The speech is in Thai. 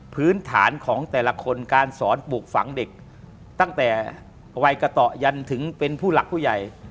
พื้นฐานของแต่ละคนการสอนปลูกฝังเด็กตั้งแต่วัยกะต่อยันถึงเป็นผู้หลักผู้ใหญ่